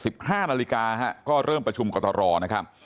๑๕ชั่นาฬิกาก็เริ่มประชุมกฎรอนะครับ